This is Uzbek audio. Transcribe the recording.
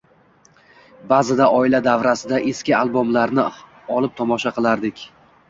Baʼzida oila davrasida eski albomlarni olib tomosha qilardik.